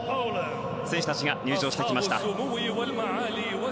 選手たちが入場してきました。